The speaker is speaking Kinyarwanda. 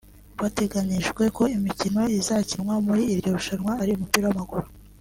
Biteganijwe ko imikino izakinwa muri iryo rushanwa ari umupira w’amaguru